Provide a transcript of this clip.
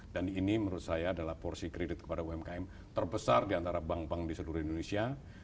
dan ini menurut saya adalah porsi kredit kepada umkm terbesar di antara bank bank di seluruh indonesia